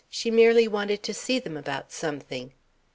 She merely wanted to see them about something.